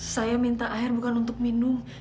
saya minta air bukan untuk minum